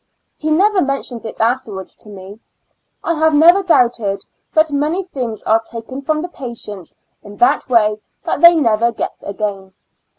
He never mentioned it afterwards to me. I have never doubted but many things are taken from the patients in that way that they never get again.